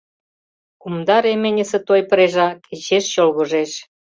Кумда ременьысе той прежа кечеш чолгыжеш.